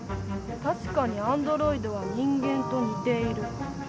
確かにアンドロイドは人間と似ている。